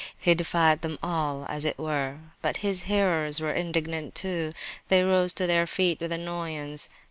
He defied them all, as it were. But his hearers were indignant, too; they rose to their feet with annoyance.